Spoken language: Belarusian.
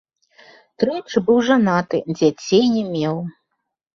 Тройчы быў жанаты, дзяцей не меў.